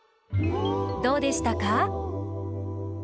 どうでしたか？